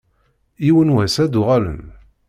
Yiwen n wass ad d-uɣalen.